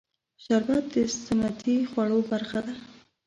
شربت د سنتي خوړو برخه ده